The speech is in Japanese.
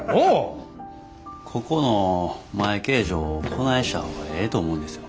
ここの前形状をこないした方がええと思うんです。